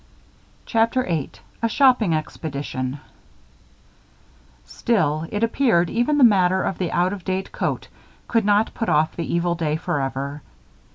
CHAPTER VIII A SHOPPING EXPEDITION Still, it appeared, even the matter of the out of date coat could not put off the evil day forever.